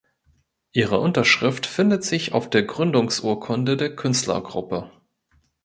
Ihre Unterschrift findet sich auf der Gründungsurkunde der Künstlergruppe.